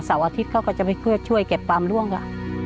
เสาร์อาทิตย์เขาก็จะไปช่วยเก็บบำรุงค่ะ